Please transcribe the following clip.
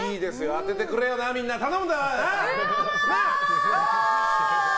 当ててくれよなみんな頼んだぞ。